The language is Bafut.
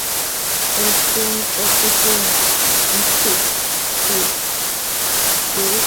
O sɔ̀bə ntsu tǒ bɔ̀rɨkòò.